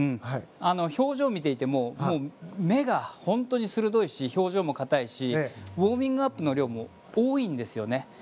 表情を見ていても目が本当に鋭いし表情も硬いしウォーミングアップの量も多いんですよね。